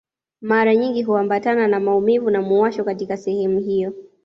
Mara nyingi huambatana na maumivu na muwasho katika sehemu hiyo